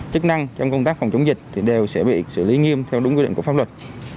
chức năng trong công tác phòng chống dịch thì đều sẽ bị xử lý nghiêm theo đúng quy định của pháp luật